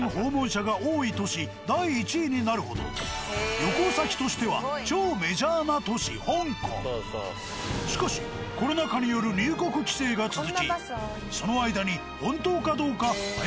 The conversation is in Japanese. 旅行先としてはしかしコロナ禍による入国規制が続きその間に本当かどうか怖っ。